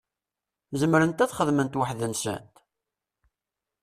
Zemrent ad xedment weḥd-nsent?